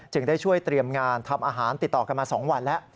ได้ช่วยเตรียมงานทำอาหารติดต่อกันมา๒วันแล้ว